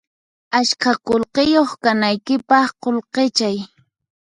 Ashka qullqiyuq kanaykipaq qullqichay